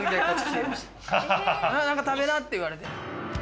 「何か食べな」って言われて。